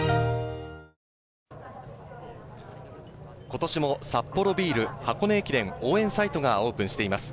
今年もサッポロビール箱根駅伝応援サイトがオープンしています。